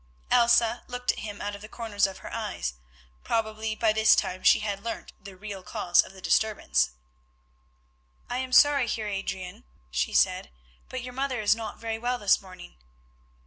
Elsa looked at him out of the corners of her eyes; probably by this time she had learnt the real cause of the disturbance. "I am sorry, Heer Adrian," she said, "but your mother is not very well this morning."